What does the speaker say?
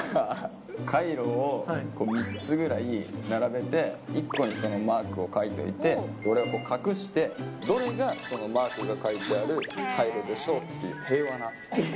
カイロを３つぐらい並べて、１個にそのマークを描いておいて、これを隠して、どれがそのマークが書いてあるカイロでしょうっていう、平和な。